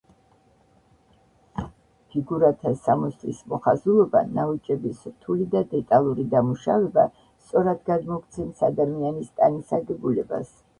ფიგურათა სამოსლის მოხაზულობა ნაოჭების რთული და დეტალური დამუშავება სწორად გადმოგვცემს ადამიანის ტანის აგებულებას.